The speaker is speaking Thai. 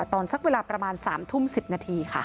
ตอนสักเวลาประมาณ๓ทุ่ม๑๐นาทีค่ะ